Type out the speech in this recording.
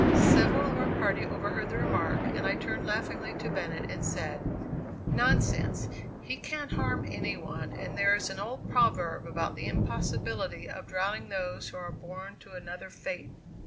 Several of our party overheard the remark and I turned laughingly to Bennett and said: "Nonsense; he can't harm any one and there is an old proverb about the impossibility of drowning those who are born to another fate."